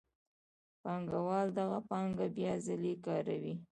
پانګوال دغه پانګه بیا ځلي کاروي